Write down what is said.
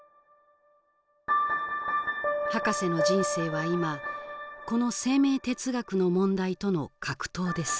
ハカセの人生は今この生命哲学の問題との格闘です